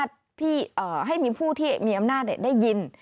ให้มีผู้ที่มีอำนาจได้ยิน